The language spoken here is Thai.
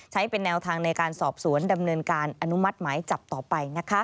ใช้เป็นแนวทางในการสอบสวนดำเนินการอนุมัติหมายจับต่อไป